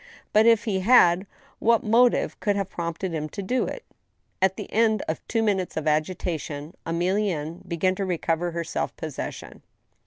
But if he had, what motive could have prompted him to do it ? At the end of two minutes of agitation, Emilienne began to re cover her self possession.